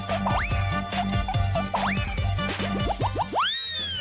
อาชีพประม่ง